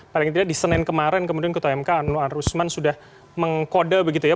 paling tidak di senin kemarin kemudian ketua mk anwar usman sudah mengkode begitu ya